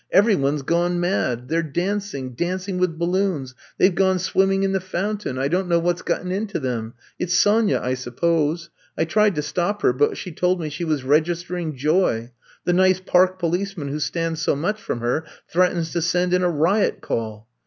Every one 's gone mad. They 're dancing, dancing with balloons— they We gone swim ming in the fountain! I don't know what 's gotten into them. It 's Sonya, 1 suppose. I tried to stop her but she told me she was registering joy. The nice park policeman who stands so much from her threatens to send in a riot call!"